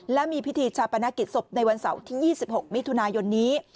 และมีพิธีชาปนกิจศพในวันเสาร์ที่๒๖มิถุนายนนี้